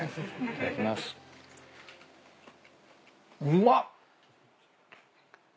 うまっ！